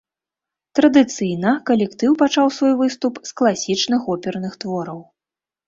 Традыцыйна калектыў пачаў свой выступ з класічных оперных твораў.